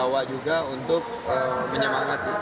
jawa juga untuk menyemangati